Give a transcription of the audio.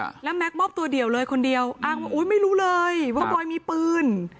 แล้วแม็กซมอบตัวเดียวเลยคนเดียวอ้างว่าอุ้ยไม่รู้เลยว่าบอยมีปืน